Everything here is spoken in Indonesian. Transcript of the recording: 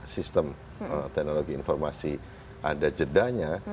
sistem teknologi informasi ada jedanya